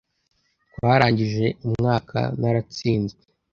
twarangije umwaka naratsinzwe